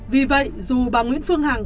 vì vậy dù bà nguyễn phương hằng